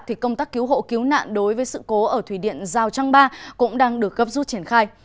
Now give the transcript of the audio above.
thì công tác cứu hộ cứu nạn đối với sự cố ở thủy điện giao trang ba cũng đang được gấp rút triển khai